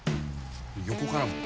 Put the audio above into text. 横からも。